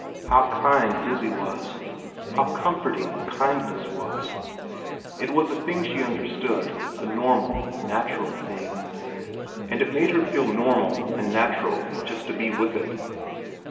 How kind Lizzie was. How comforting kindness was. It was a thing she understood, a normal, natural thing, and it made her feel normal and natural just to be with it.